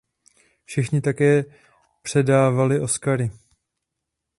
Všichni také předávali Oscary.